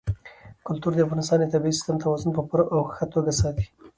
کلتور د افغانستان د طبعي سیسټم توازن په پوره او ښه توګه ساتي.